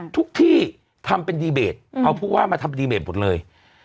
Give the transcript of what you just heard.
ที่ทำเป็นดีเบตเอาผู้ว่ามาทำดีเบตหมดเลย